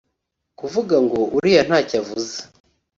kuvuga ngo uriya ntacyo avuze